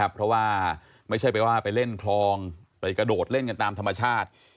เพราะว่าไม่ใช่ไปว่าไปเล่นคลองไปกระโดดเล่นกันตามธรรมชาติ